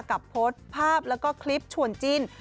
กับโพสต์ภาพแล้วก็คลิปชวนจิ้น